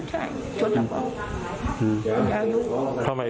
ใช่ชวนต่อไป